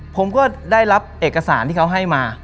ผมก็ได้รับเอกสารที่เขาให้มา